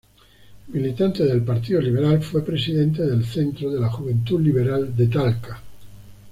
Militante del Partido Liberal, fue presidente del Centro de la Juventud Liberal de Talca.